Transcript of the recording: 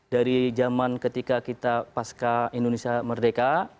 dari zaman ketika kita pasca indonesia merdeka